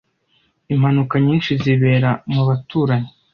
Impanuka nyinshi zibera mu baturanyi.